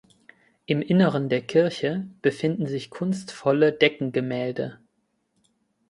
Im Inneren der Kirche befinden sich kunstvolle Deckengemälde.